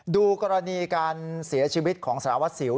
ดูกรณีการเสียชีวิตของสารวัสสิว